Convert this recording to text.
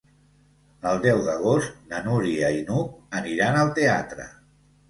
El deu d'agost na Núria i n'Hug aniran al teatre.